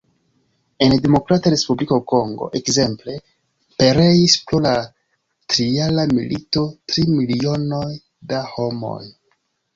En Demokrata Respubliko Kongo, ekzemple, pereis pro la trijara milito tri milionoj da homoj.